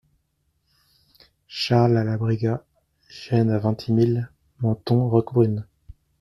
Charles a la Briga ; Gênes a Vintimille, Menton, Roquebrune.